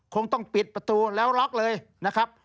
คงต้องปิดประตูแล้วล็อกเลยนะครับ